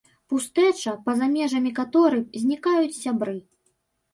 Пустэча, паза межамі каторай знікаюць сябры.